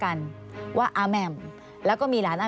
อันดับที่สุดท้าย